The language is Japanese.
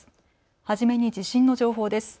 初めに地震の情報です。